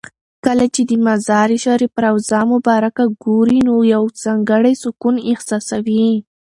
کله چې د مزار شریف روضه مبارکه ګورې نو یو ځانګړی سکون احساسوې.